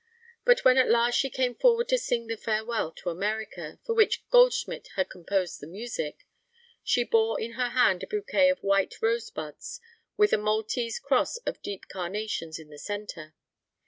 But when at last she came forward to sing the farewell to America, for which Goldschmidt had composed the music, she bore in her hand a bouquet of white rose buds, with a Maltese cross of deep carnations in the centre.